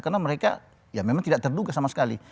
karena mereka ya memang tidak terduga sama sekali